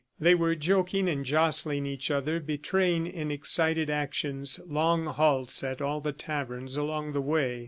They were joking and jostling each other, betraying in excited actions, long halts at all the taverns along the way.